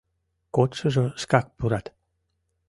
Кодшыжо шкак пурат.